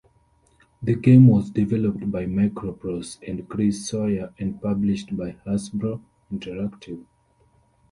The game was developed by MicroProse and Chris Sawyer and published by Hasbro Interactive.